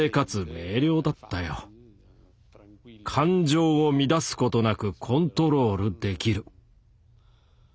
感情を乱すことなくコントロールできる。